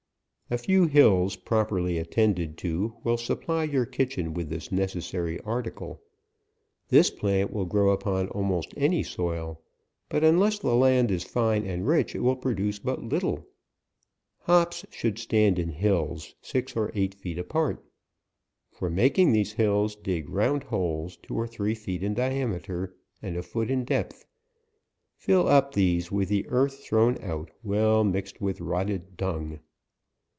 A few hills, properly attended to, will sup* ply your kitchen with this necessary article. This plant will grow upon almost any soil, but unless the land is fine and rich, it will produce but little. Hops should stand in hills, six or eight feet apart. For making these hills, dig round holes, two or three feet in diameter, and a foot in depth ; fill up these with the earth thrown out, well mixed with rotten dung.